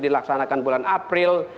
dilaksanakan bulan april